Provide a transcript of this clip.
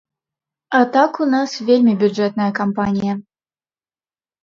А так у нас вельмі бюджэтная кампанія.